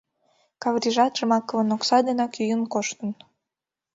Каврижат Жмаковын окса денак йӱын коштын.